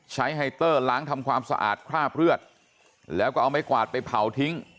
ไฮเตอร์ล้างทำความสะอาดคราบเลือดแล้วก็เอาไม้กวาดไปเผาทิ้ง